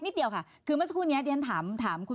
นิดเดียวค่ะคือเมื่อสักครู่เนี้ยเดี๋ยวฉันถามถามคุณ